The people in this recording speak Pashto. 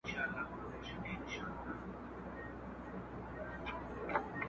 ښار چي مو وران سو خو ملا صاحب په جار وويل.